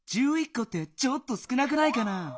こってちょっと少なくないかな？